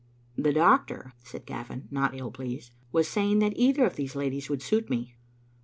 "The doctor," said Gavin, not ill pleased, "was say ing that either of these ladies would suit me."